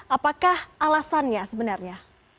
apakah alasannya sebenarnya